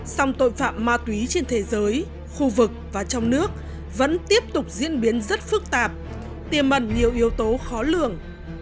song tội phạm ma túy trên thế giới khu vực và trong nước vẫn tiếp tục diễn biến rất phức tạp tiềm mần nhiều yếu tố khó lường